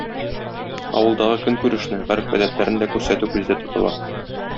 Авылдагы көнкүрешне, гореф-гадәтләрне дә күрсәтү күздә тотыла.